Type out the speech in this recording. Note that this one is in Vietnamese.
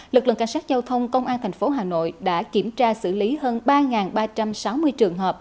lực lượng cảnh sát giao thông công an tp hà nội đã kiểm tra xử lý hơn ba ba trăm sáu mươi trường hợp